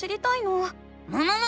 むむむ！